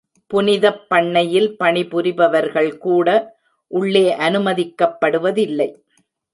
புனிதப் பண்ணையில் பணிபுரிபவர்கள் கூட உள்ளே அனுமதிக்கப்படுவதில்லை.